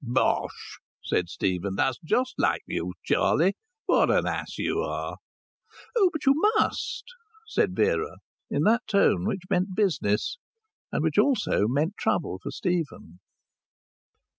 "Bosh!" said Stephen. "That's just like you, Charlie. What an ass you are!" "Oh, but you must!" said Vera, in that tone which meant business, and which also meant trouble for Stephen.